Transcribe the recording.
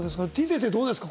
先生、どうですか？